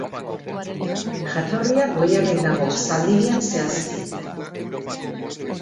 Jatorria Goierrin dago, Zaldibian zehazki.